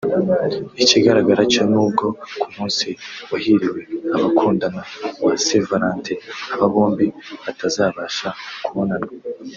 Ikigaragara cyo n’ubwo ku munsi wahriwe abakundana wa Saint Valentin aba bombi batazabasha kubonana